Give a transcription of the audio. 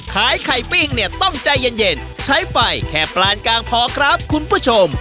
ขายไข่ปิ้งเนี่ยต้องใจเย็นใช้ไฟแค่ปลานกลางพอครับคุณผู้ชม